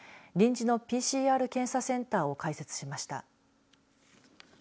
臨時のＰＣＲ検査センターを開設しました。